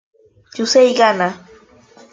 Yusei gana.